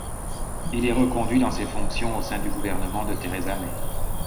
Il est reconduit dans ses fonctions au sein du gouvernement de Theresa May.